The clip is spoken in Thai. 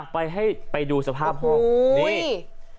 ไปดูสภาพห้อง